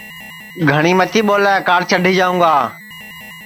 گھٹؔی متی ٻولے کاݪ چڈھی جاوں گا